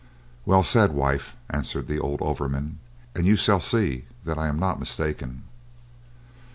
"Well said, wife!" answered the old overman, "and you shall see that I am not mistaken."